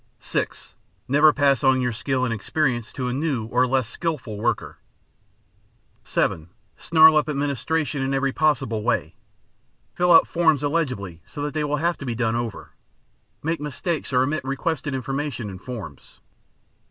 (6) Never pass on your skill and experience to a new or less skillful worker. (7) Snarl up administration in every possible way. Fill out forms illegibly so that they will have to be done over; make mistakes or omit requested information in forms.